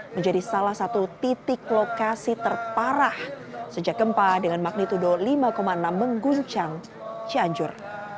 menjadi salah satu titik lokasi terparah sejak gempa dengan magnitudo lima enam mengguncang cianjur